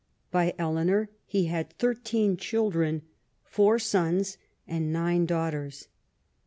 By Eleanor he had thirteen children, four sons and nine daughters.